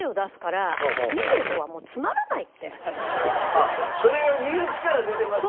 あっそれが身内から出てました？